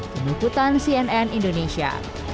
penumputan cnn indonesia